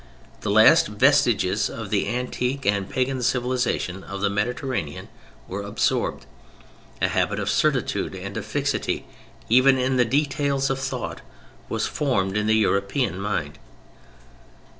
The last vestiges of the antique and Pagan civilization of the Mediterranean were absorbed. A habit of certitude and of fixity even in the details of thought was formed in the European mind.